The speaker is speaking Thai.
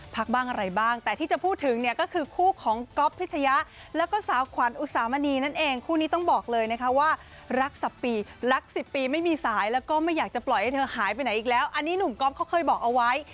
ไปใหญ่อีกแล้วอันนี้หนูก็เคยบอกเอาไว้